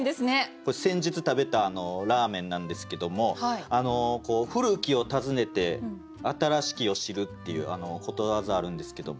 これ先日食べたラーメンなんですけども「故きを温ねて新しきを知る」っていうことわざあるんですけども。